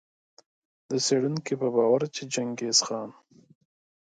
د څېړونکو په باور چي چنګیز خان